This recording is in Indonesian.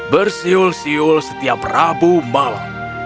bersiul siul setiap rabu malam